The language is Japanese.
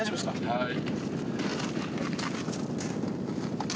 はい。